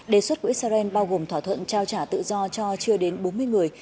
đề xuất của israel bao gồm thỏa thuận trao trả tự do cho chưa đến bốn mươi người